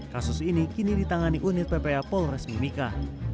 kasus ini kini ditangani unit ppa polres mimika